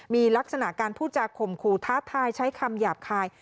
มีลักษณะการพูดจากข่มขู่ท้าทายใช้คำหยาบคาย